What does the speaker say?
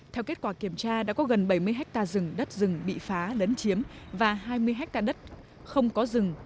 theo kết quả kiểm tra đã có gần bảy mươi hectare dừng đất dừng bị phá lấn chiếm và hai mươi hectare đất không có dừng